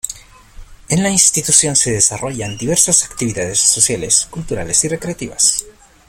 En la institución se desarrollan diversas actividades sociales, culturales y recreativas.